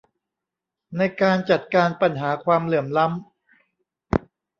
ในการจัดการปัญหาความเหลื่อมล้ำ